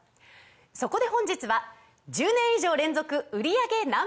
そこで本日は１０年以上連続売り上げＮｏ．１